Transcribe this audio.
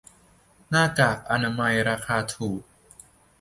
หน้ากากอนามัยราคาถูก